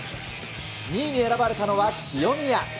２位に選ばれたのは清宮。